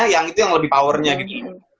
yang itu yang lebih powernya gitu